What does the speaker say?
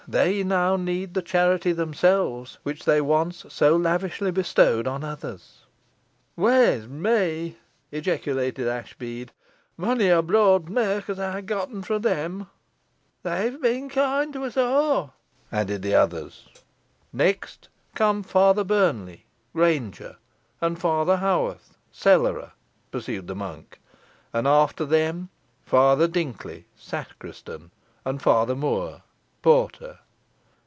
they now need the charity themselves which they once so lavishly bestowed on others." "Waes me!" ejaculated Ashbead. "Monry a broad merk han ey getten fro 'em." "They'n been koind to us aw," added the others. "Next come Father Burnley, granger, and Father Haworth, cellarer," pursued the monk; "and after them Father Dinkley, sacristan, and Father Moore, porter."